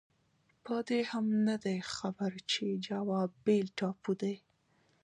په دې هم نه دی خبر چې جاوا بېل ټاپو دی.